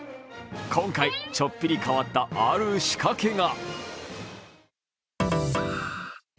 今回、ちょっぴり変わったある仕掛けが。